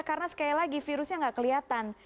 karena sekali lagi virusnya tidak kelihatan